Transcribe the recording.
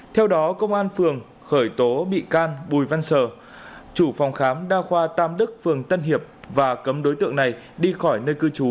theo đó công an phường khởi tố bị can bùi văn sở chủ phòng khám đa khoa tam đức phường tân hiệp và cấm đối tượng này đi khỏi nơi cư trú